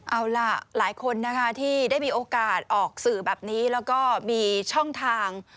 เอาล่ะหลายคนนะคะที่ได้มีโอกาสออกสื่อแบบนี้แล้วก็มีช่องทาง